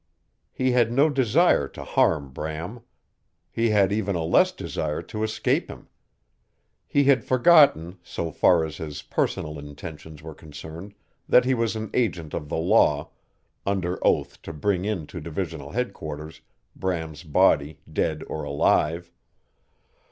He had no desire to harm Bram. He had even a less desire to escape him. He had forgotten, so far as his personal intentions were concerned, that he was an agent of the Law under oath to bring in to Divisional Headquarters Bram's body dead or alive.